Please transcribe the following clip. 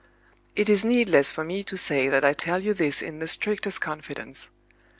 "It is needless for me to say that I tell you this in the strictest confidence.